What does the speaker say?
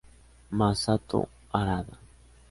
Masato Harada